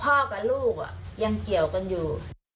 พ่อกับลูกยังเกี่ยวกันอยู่